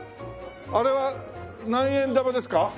あれは何円玉ですか？